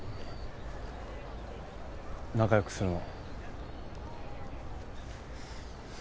仲良くするの。